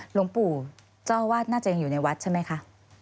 หลวงปู่เจ้าอาวาสน่าจะยังอยู่ในวัดใช่ไหมคะ